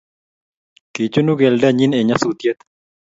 kichunu keldenyin eng' nyasutie